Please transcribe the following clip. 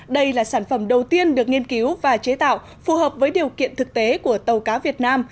đây là sản phẩm đầu tiên được nghiên cứu và chế tạo phù hợp với điều kiện thực tế của tàu cá việt nam